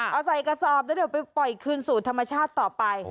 เอาใส่กระสอบแล้วเดี๋ยวไปปล่อยคืนสู่ธรรมชาติต่อไป